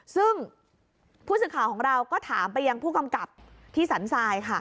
ซึ่งผู้สื่อข่าวของเราก็ถามไปยังผู้กำกับที่สันทรายค่ะ